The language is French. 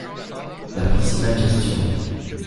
La principale question.